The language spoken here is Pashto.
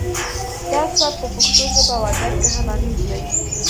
دا سبک په پښتو ژبه او ادب کې هم اغیز لري